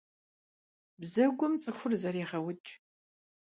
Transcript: Бзэгум цӀыхур зэрегъэукӀ.